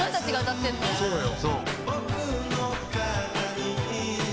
そうだよ。